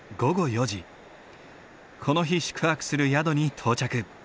この日宿泊する宿に到着。